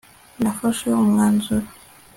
Nafashe umwanzuro